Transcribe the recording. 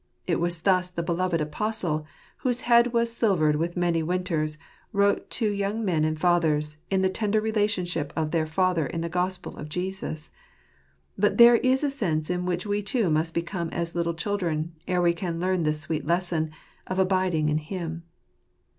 It was thus the beloved Apostle, whose head was silvered with many winters, wrote to young men and fathers, in the tender relationship of their father in the Gospel of Jesus. But there is a sense in which we too must become as little children, ere we can learn this sweet lesson of abiding in Him.